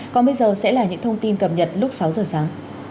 còn bây giờ sẽ là những thông tin cập nhật lúc sáu giờ sáng